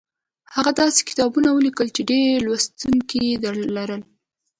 هغه داسې کتابونه ولیکل چې ډېر لوستونکي یې لرل